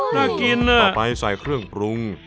ต่อไปใส่เครื่องปรุง